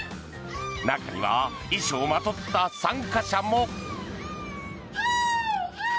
中には衣装をまとった参加者も。